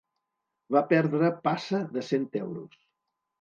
Va perdre passa de cent euros.